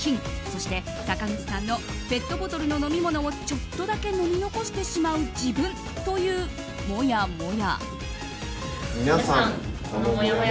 そして、坂口さんのペットボトルの飲み物をちょっとだけ飲み残してしまう自分というもやもや。